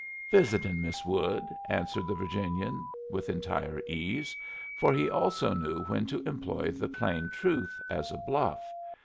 "Visitin' Miss Wood," answered the Virginian, with entire ease. For he also knew when to employ the plain truth as a bluff.